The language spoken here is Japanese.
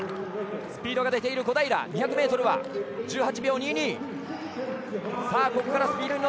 スピードが出ている小平２００ｍは１８秒２２。